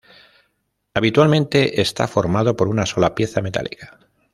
Habitualmente está formado por una sola pieza metálica.